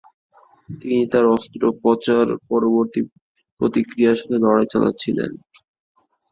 তিনি তার অস্ত্রোপচার পরবর্তী প্রতিক্রিয়ার সাথে লড়াই চালাচ্ছিলেন।